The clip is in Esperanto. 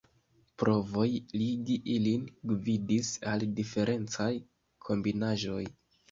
Provoj ligi ilin gvidis al diferencaj kombinaĵoj.